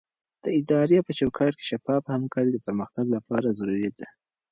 د ادارې په چوکاټ کې شفافه همکاري د پرمختګ لپاره ضروري ده.